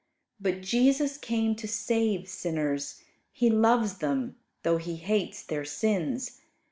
But Jesus came to save sinners. He loves them, though He hates their sins.